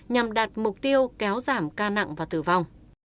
nhằm đạt mục tiêu kéo giảm ca nặng và tử vong